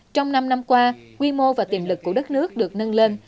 trong năm năm qua quy mô và tiềm lực của đất nước được nâng lên